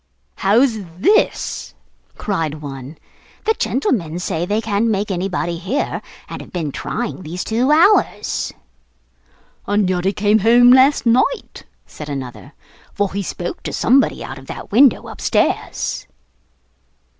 'How's this?' cried one. 'The gentleman say they can't make anybody hear, and have been trying these two hours.' 'And yet he came home last night,' said another; 'for he spoke to somebody out of that window upstairs.